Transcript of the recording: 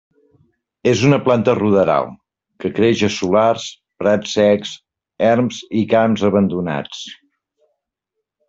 És una planta ruderal, que creix a solars, prats secs, erms i camps abandonats.